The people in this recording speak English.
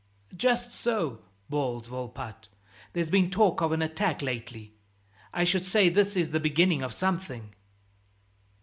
"Just so," bawls Volpatte. "There's been talk of an attack lately; I should say this is the beginning of something."